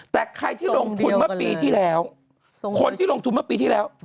แต่ใครที่ลงทุนเมื่อปีที่แล้วคนที่ลงทุนเมื่อปีที่แล้ว